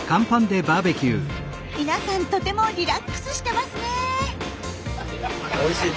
皆さんとてもリラックスしてますね。